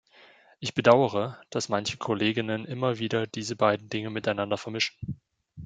Ich bedaure, dass manche Kolleginnen immer wieder diese beiden Dinge miteinander vermischen.